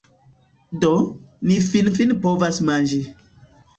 Do, ni finfine povas manĝi